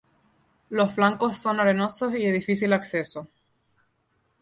Los flancos son arenosos y de difícil acceso.